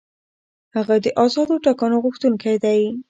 هغه د آزادو ټاکنو غوښتونکی دی.